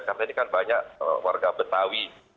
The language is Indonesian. karena ini kan banyak warga betawi